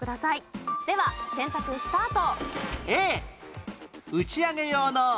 では選択スタート。